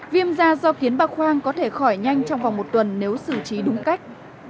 viêm da do kiến ba khoang có thể khỏi nhanh trong vòng một tuần nếu xử trí đúng cách